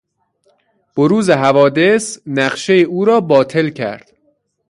بروز حوادث نقشهٔ او را باطل کرد.